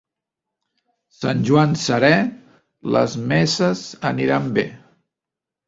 Sant Joan serè, les messes aniran bé.